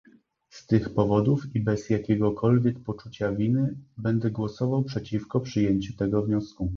Z tych powodów i bez jakiegokolwiek poczucia winy będę głosował przeciwko przyjęciu tego wniosku